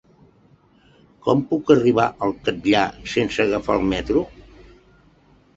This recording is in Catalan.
Com puc arribar al Catllar sense agafar el metro?